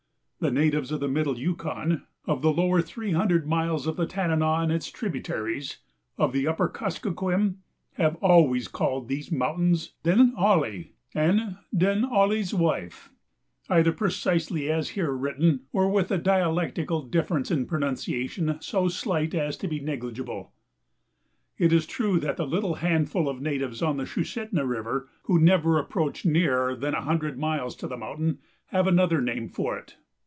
The natives of the middle Yukon, of the lower three hundred miles of the Tanana and its tributaries, of the upper Kuskokwim have always called these mountains "Denali" (Den ah'li) and "Denali's Wife" either precisely as here written, or with a dialectical difference in pronunciation so slight as to be negligible. It is true that the little handful of natives on the Sushitna River, who never approach nearer than a hundred miles to the mountain, have another name for it.